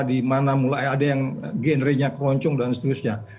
di mana mulai ada yang genrenya keroncong dan seterusnya